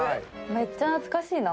めっちゃ懐かしいな。